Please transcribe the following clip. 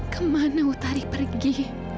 kemana utari pergi